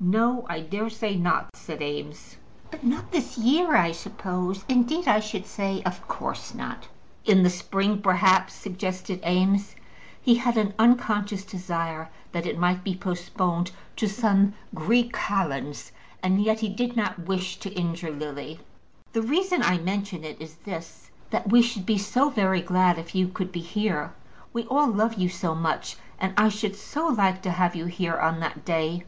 "No; I dare say not," said Eames. "But not this year, I suppose. Indeed, I should say, of course not." "In the spring, perhaps," suggested Eames. He had an unconscious desire that it might be postponed to some Greek kalends, and yet he did not wish to injure Lily. "The reason I mention it is this, that we should be so very glad if you could be here. We all love you so much, and I should so like to have you here on that day."